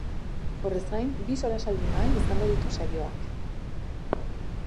Horrez gain, bi solasaldi mahai izango ditu saioak.